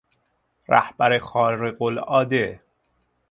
رهبر خارقالعاده